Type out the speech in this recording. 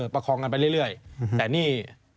ประคองกันไปเรื่อยแต่นี่